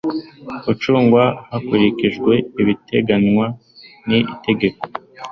ucungwa hakurikijwe ibiteganywa n itegeko